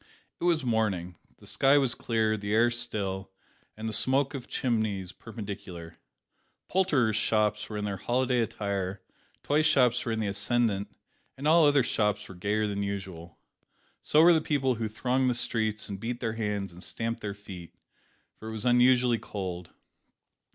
It was morning. The sky was clear, the air still, and the smoke of chimneys perpendicular. Poulterers' shops were in their holiday attire; toy shops were in the ascendant, and all other shops were gayer than usual. So were the people who thronged the streets and beat their hands and stamped their feet for it was unusually cold.